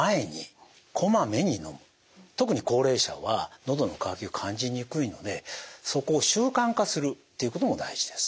特に高齢者はのどの渇きを感じにくいのでそこを習慣化するっていうことも大事です。